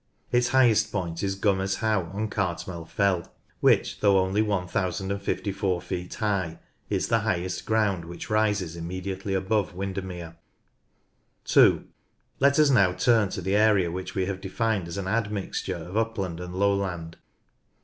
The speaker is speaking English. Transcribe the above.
Its highest point is Glimmers How on Cartmel Fell, which, though only 1054 feet high, is the highest ground which rises immediately above Windermere. (2) Let us now turn to the area which we have defined as an admixture of upland and lowland.